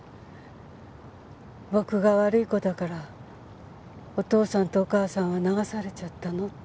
「僕が悪い子だからお父さんとお母さんは流されちゃったの？」